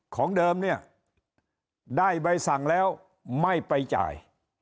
ของเดิมเนี่ยได้ใบสั่งแล้วไม่ไปจ่าย